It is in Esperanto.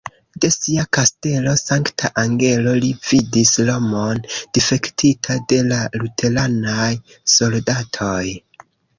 De sia kastelo Sankta-Angelo, li vidis Romon difektita de la luteranaj soldatoj.